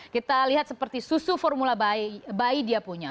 kita lihat seperti susu formula bayi dia punya